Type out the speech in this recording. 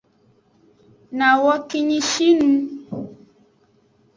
Nawo kinyishinu.